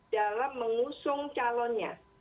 dalam mengusung calonnya